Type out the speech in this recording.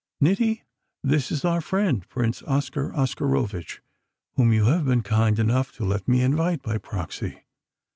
"Niti, this is our friend, Prince Oscar Oscarovitch, whom you have been kind enough to let me invite by proxy.